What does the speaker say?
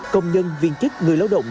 công nhân viên chức người lao động